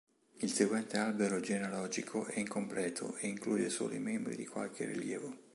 Il seguente albero genealogico è incompleto e include solo i membri di qualche rilievo.